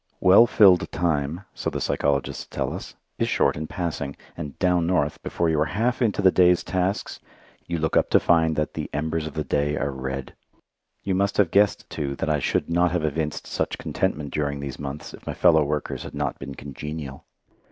Well filled time, so the psychologists tell us, is short in passing, and "down North," before you are half into the day's tasks, you look up to find that "the embers of the day are red." You must have guessed, too, that I should not have evinced such contentment during these months if my fellow workers had not been congenial.